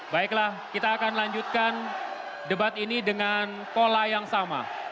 baiklah kita akan lanjutkan debat ini dengan pola yang sama